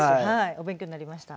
お勉強になりました。